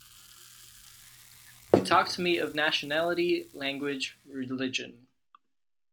You talk to me of nationality, language, religion.